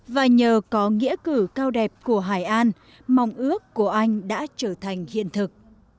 và nhờ có nghĩa cử cao đẹp của hải an mong ước của anh đã trở thành hiện thực